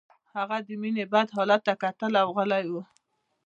هغه د مينې بد حالت ته کتل او غلی و